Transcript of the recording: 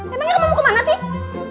emangnya kamu mau ke mana sih